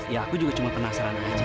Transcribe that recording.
ya aku juga cuma penasaran aja